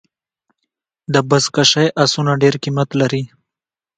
د بزکشۍ آسونه ډېر قیمت لري.